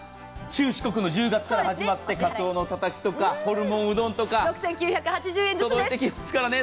中四国の１０月から始まって、鰹のたたきとかホルモンうどんとか届きますからね。